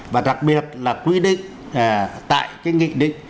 và đặc biệt là quy định tại cái nghị định số chín mươi tám năm hai nghìn